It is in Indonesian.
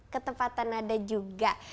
ketepatan nada juga